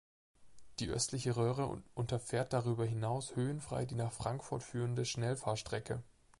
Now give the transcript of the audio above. Die östliche Röhre unterfährt darüber hinaus höhenfrei die nach Frankfurt führende Schnellfahrstrecke.